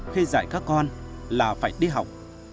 khi dạy các con là phải đi học